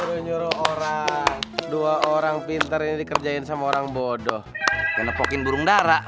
uyanti permisi ke dalam dulu ya